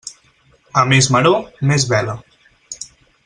A més maror, més vela.